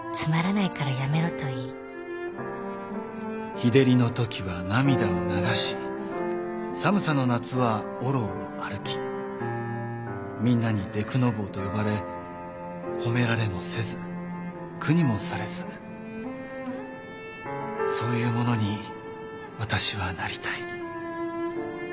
「日照りのときは涙を流し寒さの夏はおろおろ歩きみんなにでくのぼうと呼ばれ褒められもせず苦にもされずそういうものに私はなりたい」